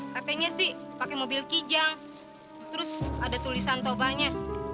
katanya sih pakai mobil kijang terus ada tulisan tobanya